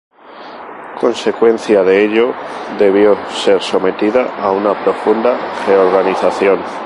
Consecuencia de ello, debió ser sometida a una profunda reorganización.